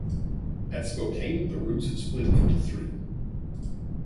At Spokane the routes split into three.